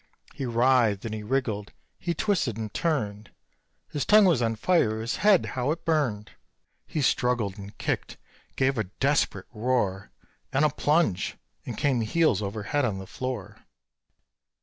He writhed and he wriggled, he twisted and turned; His tongue was on fire his head, how it burned! He struggled and kicked, gave a desperate roar And a plunge and came heels over head on the floor.